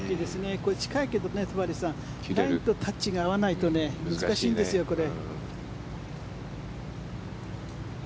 これ近いけどラインとタッチが合わないと難しいんですよ、これ。